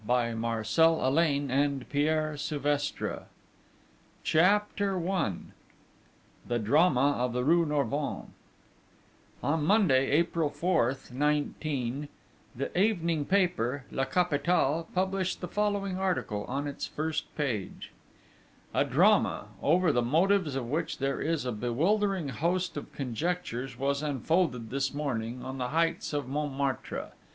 THE IMPRINT XXVIII. COURAGE MESSENGERS OF EVIL I THE DRAMA OF THE RUE NORVINS On Monday, April 4th, 19 , the evening paper La Capitale published the following article on its first page: A drama, over the motives of which there is a bewildering host of conjectures, was unfolded this morning on the heights of Montmartre.